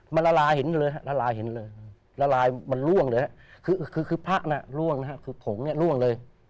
มันละลายเห็นเลยครับละลายเห็นเลยละลายมันร่วงเลยครับคือผ้านะครับร่วงนะครับคือผงเนี่ยร่วงเลย